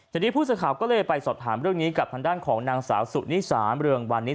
จนดีพู่สาขาวก็เลยไปสอบถามเรื่องนี้กับทางด้านของนางสาวสุดที่๓เรืองวันนี้